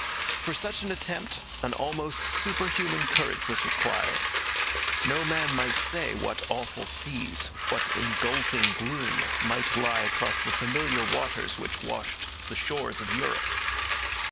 For such an attempt an almost superhuman courage was required. No man might say what awful seas, what engulfing gloom, might lie across the familiar waters which washed the shores of Europe.